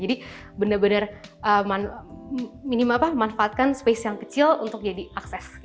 jadi benar benar minima apa manfaatkan space yang kecil untuk jadi akses gitu